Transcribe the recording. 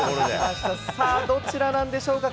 さあ、どちらなんでしょうか。